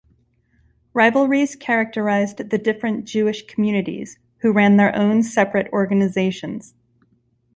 Rivalries characterized the different Jewish communities, who ran their own separate organizations.